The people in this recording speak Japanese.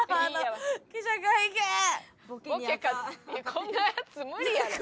こんなヤツ無理やろ。